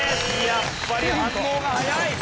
やっぱり反応が早い！